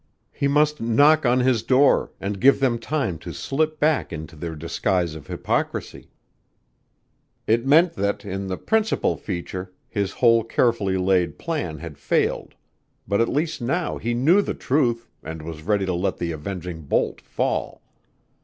He must knock on his door, and give them time to slip back into their disguise of hypocrisy. It meant that, in the principal feature, his whole carefully laid plan had failed, but at least now he knew the truth and was ready to let the avenging bolt fall.